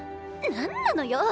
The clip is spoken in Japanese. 何なのよ！